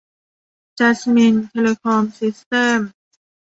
จัสมิน เทเลคอม ซิสเต็มส์